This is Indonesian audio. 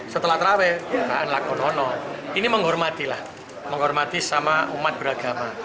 setelah taraweh ini menghormati lah menghormati sama umat beragama